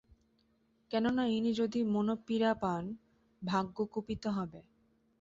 কেননা ইনি যদি মনঃপীড়া পান, ভাগ্য কুপিত হবে।